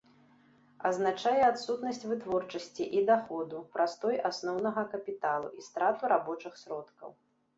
Азначае адсутнасць вытворчасці і даходу, прастой асноўнага капіталу і страту рабочых сродкаў.